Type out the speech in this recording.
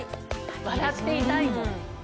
笑っていたいもん。